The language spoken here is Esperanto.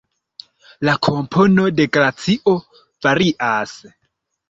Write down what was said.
La kompono de glacio varias.